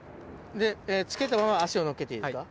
つけたまま足を乗っけていいですか？